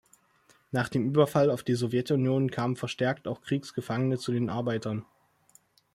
Nach dem Überfall auf die Sowjetunion kamen verstärkt auch Kriegsgefangene zu den Arbeitern.